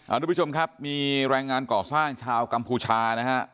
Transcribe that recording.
ทุกผู้ชมครับมีแรงงานก่อสร้างชาวกัมพูชานะฮะ